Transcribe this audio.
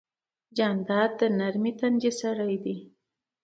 جانداد د نرمې تندې سړی دی.